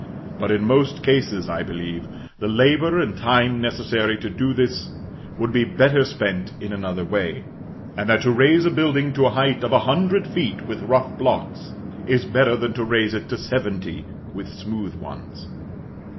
But, in most cases, I believe, the labor and time necessary to do this would be better spent in another way; and that to raise a building to a height of a hundred feet with rough blocks, is better than to raise it to seventy with smooth ones.